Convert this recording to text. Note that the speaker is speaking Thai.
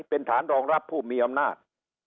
เป็นฐานรองรับผู้มีอำนาจ